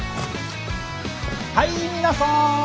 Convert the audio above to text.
はい皆さん！